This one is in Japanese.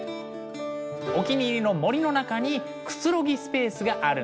お気に入りの森の中にくつろぎスペースがあるんだって。